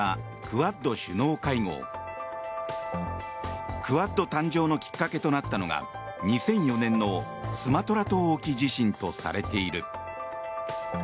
クアッド誕生のきっかけとなったのが２００４年のスマトラ島沖地震とされている。